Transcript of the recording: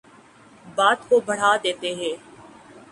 بات کو بڑھا دیتے ہیں